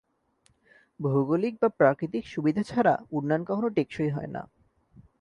ভৌগোলিক বা প্রাকৃতিক সুবিধা ছাড়া উন্নয়ন কখনো টেকসই হয় না।